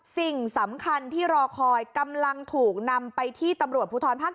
สิ่งสำคัญที่รอคอยกำลังถูกนำไปที่ตำรวจภูทรภาค๗